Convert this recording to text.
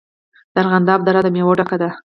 د ارغنداب دره د میوو ډکه ده.